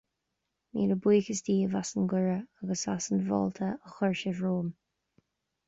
Míle buíochas daoibh as an gcuireadh agus as an bhfáilte a chuir sibh romham.